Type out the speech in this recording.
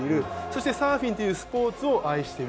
サーフィンというスポーツを愛している。